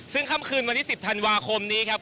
ซึ่งค่ำคืนวันที่๑๐ธันวาคมนี้ครับ